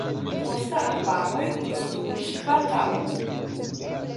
Poste araboj konstruis kvartalon.